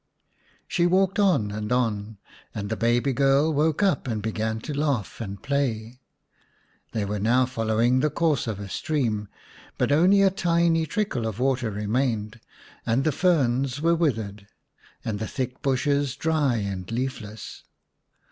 She walked on and on, and the baby girl woke up and began to laugh and play. They were now following the course of a stream, but only a tiny trickle of water remained, and the ferns were withered, and the thick bushes dry and leafless.